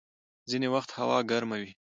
ځيني وخت هوا ګرمه وي.